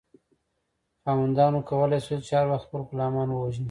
خاوندانو کولی شول چې هر وخت خپل غلامان ووژني.